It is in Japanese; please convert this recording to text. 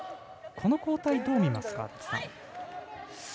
この交代、どう見ますか？